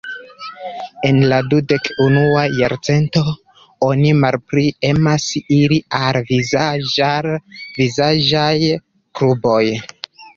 En la dudek-unua jarcento, oni malpli emas iri al vizaĝ-al-vizaĝaj kluboj.